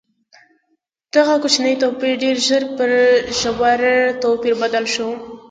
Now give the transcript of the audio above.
دغه کوچنی توپیر ډېر ژر پر ژور توپیر بدل شو.